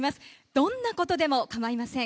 どんなことでも構いません。